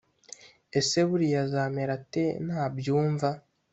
Ese buriya azamera ate nabyumva